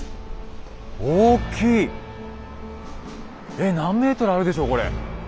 えっ何メートルあるでしょうこれ。